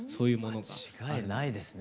間違いないですね